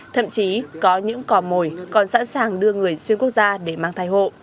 thậm chí có những cỏ mồi còn sẵn sàng đưa người xuyên quốc gia để mang thai hộ